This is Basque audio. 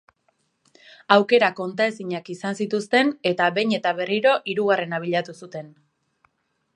Aukera kontaezinak izan zituzten eta behin eta berriro hirugarrena bilatu zuten.